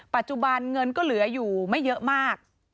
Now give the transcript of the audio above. ปัจจุบันเงินก็เหลืออยู่ไม่เยอะมาก